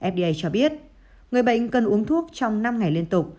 fda cho biết người bệnh cần uống thuốc trong năm ngày liên tục